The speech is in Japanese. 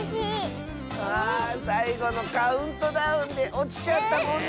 あさいごのカウントダウンでおちちゃったもんね。